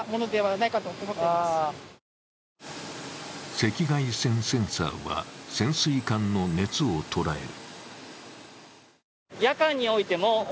赤外線センサーは潜水艦の熱を捉える。